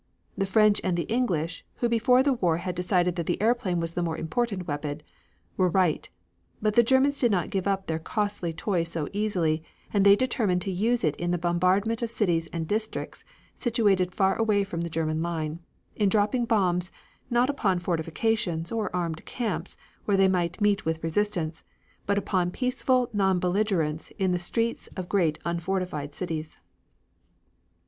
The French and the English, who before the war had decided that the airplane was the more important weapon, were right. But the Germans did not give up their costly toy so easily, and they determined to use it in the bombardment of cities and districts situated far away from the German line, in dropping bombs, not upon fortifications, or armed camps where they might meet with resistance, but upon peaceful non belligerents in the streets of great unfortified cities.